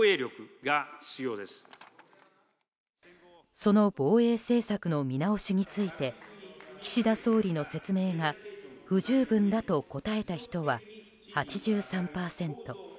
その防衛政策の見直しについて岸田総理の説明が不十分だと答えた人は８３％。